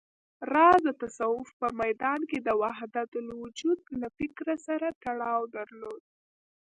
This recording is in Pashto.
راز د تصوف په ميدان کې د وحدتالوجود له فکر سره تړاو درلود